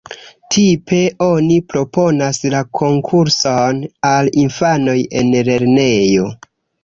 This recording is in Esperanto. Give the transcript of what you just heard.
Tipe oni proponas la konkurson al infanoj en lernejo.